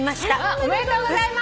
おめでとうございます。